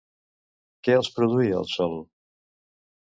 Què els produïa el sol?